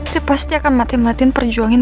dia pasti akan mati matian perjuangin